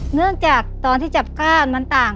เนื่องจากตอนที่จับก้านมันต่าง